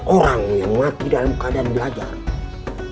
orang yang mati dalam keadaan ini tidak akan berhenti belajar